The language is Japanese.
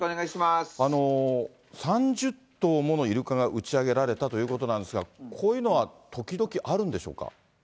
３０頭ものイルカが打ち上げられたということなんですが、こういうのは時々あるんでしょうか？